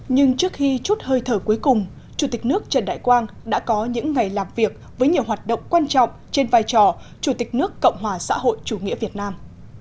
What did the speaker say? nhưng trước khi chút hơi thở cuối cùng chủ tịch nước trần đại quang đã có những ngày làm việc với nhiều hoạt động quan trọng trên vai trò chủ tịch nước cộng hòa xã hội chủ nghĩa việt nam